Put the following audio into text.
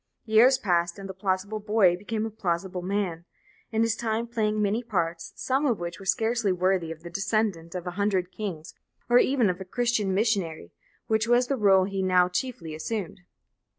Years passed by, and "the plausible boy" became a plausible man, in his time playing many parts, some of which were scarcely worthy of the descendant of a hundred kings, or even of a Christian missionary, which was the rôle he now chiefly assumed.